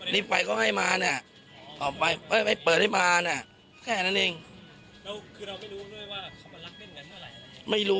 นี่ไฟก็ให้มาเนี่ย